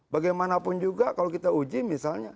bagaimanapun juga kalau kita uji misalnya